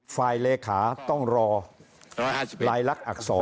ฝ่ายเลขาต้องรอของรายลักษณ์าสร